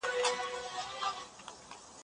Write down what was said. د بې وزلو خلګو سره مرسته کول انساني دنده ده.